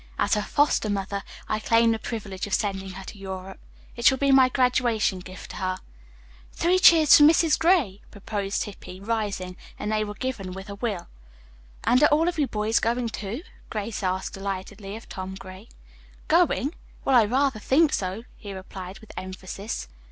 As her foster mother, I claim the privilege of sending her to Europe. It shall be my graduation gift to her." "Three cheers for Mrs. Gray," proposed Hippy, rising, and they were given with a will. "And are all of you boys going, too?" Grace asked delightedly of Tom Gray. "Going? Well, I rather think so," he replied with emphasis.